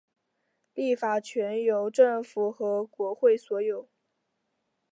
立法权由政府和国会所有。